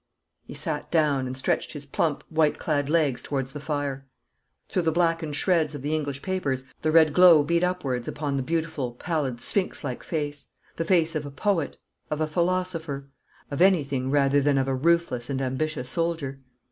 He sat down, and stretched his plump, white clad legs towards the fire. Through the blackened shreds of the English papers the red glow beat upwards upon the beautiful, pallid, sphinx like face the face of a poet, of a philosopher of anything rather than of a ruthless and ambitious soldier.